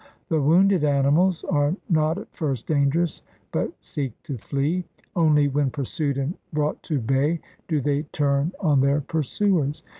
The wounded animals are not at first dangerous but seek to flee. Only when pursued and brought to bay do they turn on their pursuers.